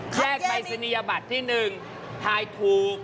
แค่ใบสินิยบัตรที่หนึ่งถ่ายถูก